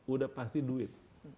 udah pasti duit